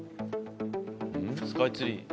スカイツリー。